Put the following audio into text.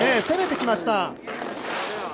攻めてきました。